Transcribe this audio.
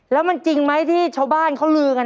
แล้วมันจริงไหมที่ชาวบ้านเขาลือกัน